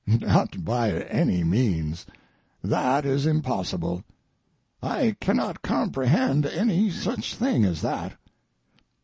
Not by any means. That is impossible. I cannot comprehend any such thing as that.